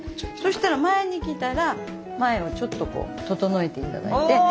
そしたら前にきたら前をちょっとこう整えて頂いて。